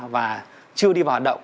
và chưa đi vào hoạt động